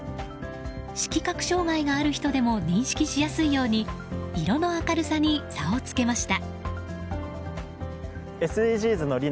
色覚障害がある人でも認識しやすいように色の明るさに差をつけました。